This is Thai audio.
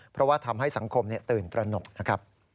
เพราะว่าทำให้สังคมตื่นตระหนก